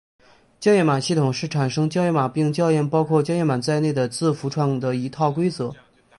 校验码系统是产生校验码并校验包括校验码在内的字符串的一套规则。